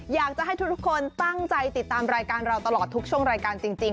อยากจะให้ทุกคนตั้งใจติดตามรายการเราตลอดทุกช่วงรายการจริง